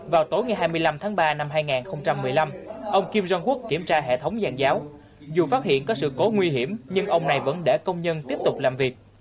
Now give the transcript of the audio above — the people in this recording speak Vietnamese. vào tối ngày hai mươi năm tháng ba năm hai nghìn một mươi năm ông kim jong quốc kiểm tra hệ thống giàn giáo dù phát hiện có sự cố nguy hiểm nhưng ông này vẫn để công nhân tiếp tục làm việc